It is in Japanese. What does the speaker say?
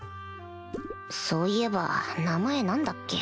そういえば名前なんだっけ？